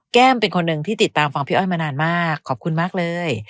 เป็นคนหนึ่งที่ติดตามฟังพี่อ้อยมานานมากขอบคุณมากเลย